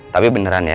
tapi beneran ya